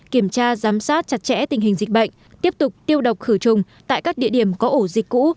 kiểm tra giám sát chặt chẽ tình hình dịch bệnh tiếp tục tiêu độc khử trùng tại các địa điểm có ổ dịch cũ